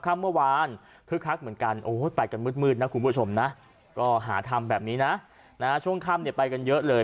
ค่ำเมื่อวานคึกคักเหมือนกันไปกันมืดนะคุณผู้ชมนะก็หาทำแบบนี้นะช่วงค่ำเนี่ยไปกันเยอะเลย